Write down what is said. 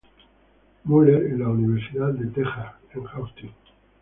Muller en la Universidad de Texas en Austin.